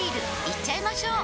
いっちゃいましょう！